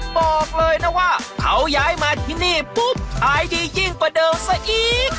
บอกเลยนะว่าเขาย้ายมาที่นี่ปุ๊บขายดียิ่งกว่าเดิมซะอีก